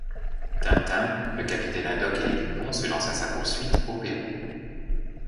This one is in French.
Tintin, le capitaine Haddock et les Dupondt se lancent à sa poursuite, au Pérou.